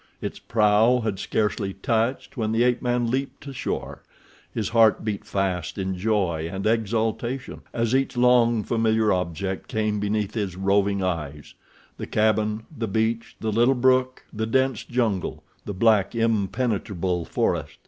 Its prow had scarcely touched when the ape man leaped to shore—his heart beat fast in joy and exultation as each long familiar object came beneath his roving eyes—the cabin, the beach, the little brook, the dense jungle, the black, impenetrable forest.